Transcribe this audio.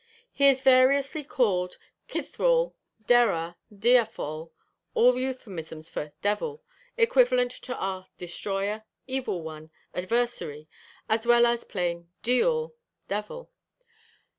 He is variously called cythraul, dera, diafol, all euphemisms for devil, equivalent to our destroyer, evil one, adversary as well as plain diawl, devil.